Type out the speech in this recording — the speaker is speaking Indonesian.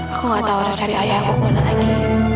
aku gak tau harus cari ayah aku kemana lagi